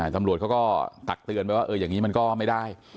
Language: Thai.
ตำรวจเขาก็ตักเตือนไปว่าอย่างนี้มันก็ไม่ได้